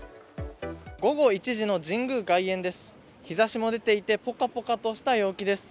午後１時の神宮外苑です。